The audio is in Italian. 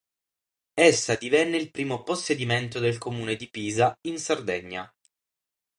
Essa divenne il primo possedimento del Comune di Pisa in Sardegna.